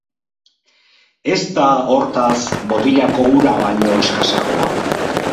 Ez da, hortaz, botilako ura baino eskasagoa.